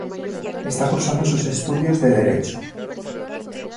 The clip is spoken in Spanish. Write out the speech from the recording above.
Está cursando sus Estudios de derecho.